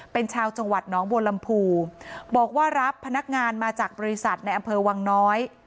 เป็นชาวจังหวัดน้องบัวลำพูบอกว่ารับพนักงานมาจากบริษัทในอำเภอวังน้อย